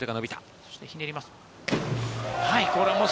そしてひねります。